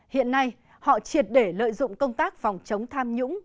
hiện nay họ triệt để lợi dụng công tác phòng chống tham nhũng